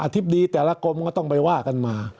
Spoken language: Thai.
ธิบดีแต่ละกรมก็ต้องไปว่ากันมา